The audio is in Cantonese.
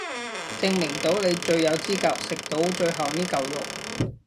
證明到你最有資格食到最後呢嚿肉